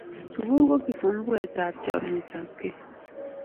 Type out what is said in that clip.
Sukul ko kifunguet ab chomietabkei